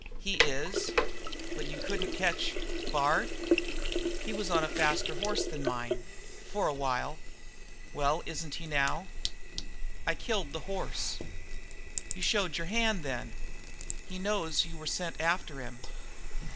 "He is." "But you couldn't catch Bard?" "He was on a faster horse than mine for a while." "Well? Isn't he now?' "I killed the horse." "You showed your hand, then? He knows you were sent after him?"